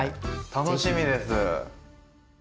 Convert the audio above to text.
楽しみです。